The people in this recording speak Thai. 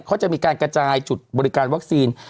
เขาจะมีการกระจายจุดบริการวัคซีน